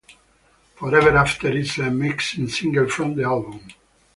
Forever After is a maxi-single from the album.